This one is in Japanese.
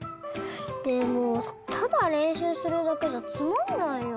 でもただれんしゅうするだけじゃつまんないよ。